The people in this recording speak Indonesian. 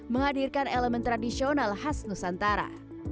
menghadirkan elemen tradisional khas nusantara